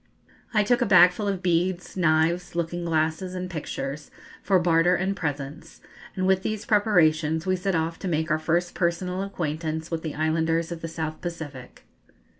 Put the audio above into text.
I took a bag full of beads, knives, looking glasses, and pictures, for barter and presents, and with these preparations we set off to make our first personal acquaintance with the islanders of the South Pacific.